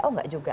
oh enggak juga